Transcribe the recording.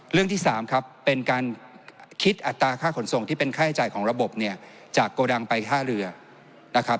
เรื่องที่๓ครับเป็นการคิดอัตราค่าขนส่งที่เป็นค่าใช้จ่ายของระบบเนี่ยจากโกดังไปท่าเรือนะครับ